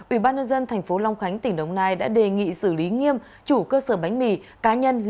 ubnd tp long khánh tỉnh đồng nai đã đề nghị xử lý nghiêm chủ cơ sở bánh mì cá nhân